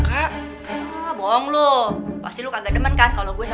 atau mungkin juga word of guardian